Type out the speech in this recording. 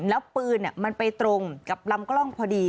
แล้วปืนมันไปตรงกับลำกล้องพอดี